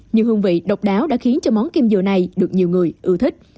những hương vị độc đáo đã khiến cho món kim dừa này được nhiều người ưa thích